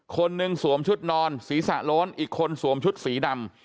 คนหนึ่งสวมชุดนอนศีรษะโล้นอีกคนสวมชุดสีดำ